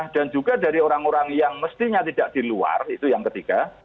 dan juga dari orang orang yang mestinya tidak di luar itu yang ketiga